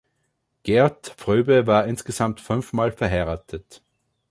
Gert Fröbe war insgesamt fünfmal verheiratet.